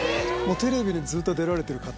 テレビでずっと出られている方。